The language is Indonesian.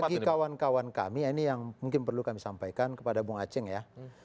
bagi kawan kawan kami ini yang mungkin perlu kami sampaikan kepada bung aceh ya